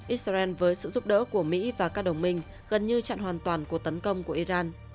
israel với sự giúp đỡ của mỹ và các đồng minh gần như chặn hoàn toàn cuộc tấn công của iran